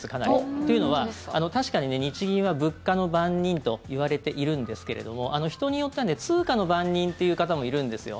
というのは、確かに日銀は物価の番人といわれているんですけれども人によって通貨の番人って言う方もいるんですよ。